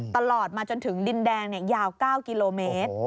ตลอดมาจนถึงดินแดงยาว๙กิโลเมตร